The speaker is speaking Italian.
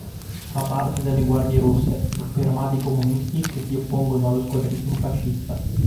Fa parte delle "Guardie rosse", gruppi armati comunisti che si oppongono alla squadrismo fascista.